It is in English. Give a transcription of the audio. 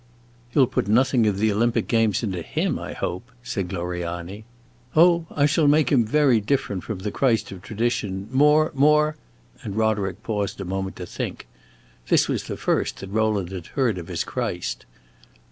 "You 'll put nothing of the Olympic games into him, I hope," said Gloriani. "Oh, I shall make him very different from the Christ of tradition; more more" and Roderick paused a moment to think. This was the first that Rowland had heard of his Christ.